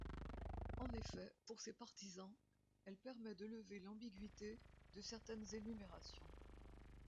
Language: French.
En effet, pour ses partisans, elle permet de lever l'ambiguïté de certaines énumérations.